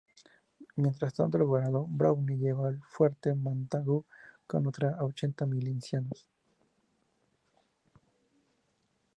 Mientras tanto, el gobernador Browne llegó al Fuerte Montagu con otros ochenta milicianos.